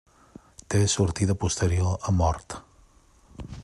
Té sortida posterior amb hort.